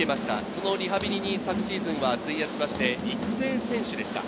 そのリハビリに昨シーズンは費やしまして育成選手でした。